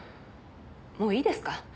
もういいですか？